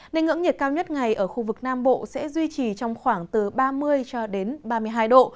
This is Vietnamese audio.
nên ngưỡng nhiệt cao nhất ngày ở khu vực nam bộ sẽ duy trì trong khoảng từ ba mươi cho đến ba mươi hai độ